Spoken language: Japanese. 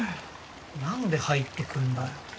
何で入ってくんだよ。